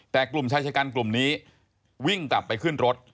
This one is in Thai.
แต่กลุ่มชายชะกันกลุ่มนี้วิ่งกลับไปขึ้นรถ